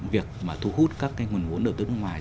việc mà thu hút các cái nguồn vốn đầu tư nước ngoài